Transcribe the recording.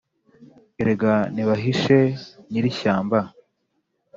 erega nibahishe nyirishyamba,